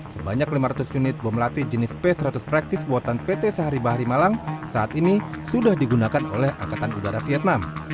sebanyak lima ratus unit bom latih jenis p seratus practice buatan pt sehari bahari malang saat ini sudah digunakan oleh angkatan udara vietnam